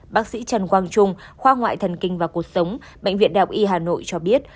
bác sĩ trần quang trung khoa ngoại thần kinh và cuộc sống bệnh viện đại học y hà nội cho biết